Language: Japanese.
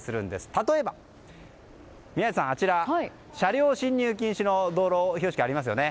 例えば、宮司さんあちら、車両進入禁止の道路標識ありますよね。